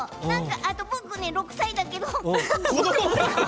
あと僕ね、６歳だけど。